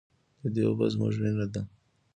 د دې اوبه زموږ وینه ده